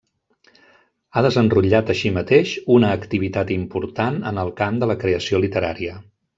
Ha desenrotllat així mateix una activitat important en el camp de la creació literària.